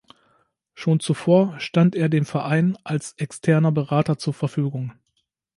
Schon zuvor stand er dem Verein als externer Berater zur Verfügung.